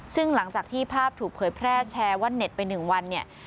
ซึ่งหลังจากที่ภาพถูกเผยแพร่แชร์ว่าเน็ตไป๑วันเนี่ย